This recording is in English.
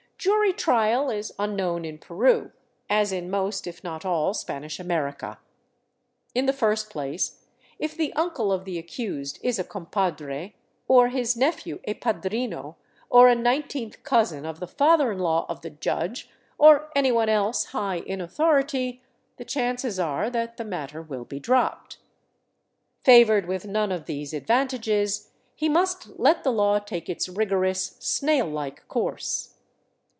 Jury trial is unknown in Peru, as in most, if not all Spanish America. In the first place, if the uncle of the accused is a compadre, or his nephew a padrino or a nineteenth cousin of the father in law of the judge or anyone else high in authority, the chances are that the matter will be dropped. Favored with none of these advantages, he must let the law take its rigorous, snail like course.